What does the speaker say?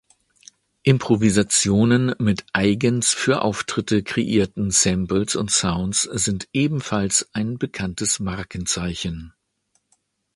Improvisationen mit eigens für Auftritte kreierten Samples und Sounds sind ebenfalls ein bekanntes Markenzeichen.